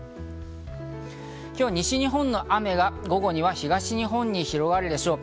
今日、西日本の雨が午後には東日本に広がるでしょう。